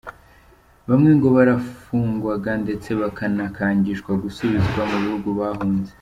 Bamwe ngo barafungwaga ndetse bakanakangishwa gusubizwa mu bihugu bahunze.